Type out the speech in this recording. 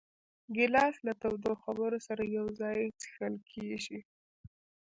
ګیلاس له تودو خبرو سره یو ځای څښل کېږي.